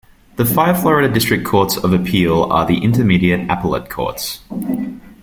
The five Florida District Courts of Appeal are the intermediate appellate courts.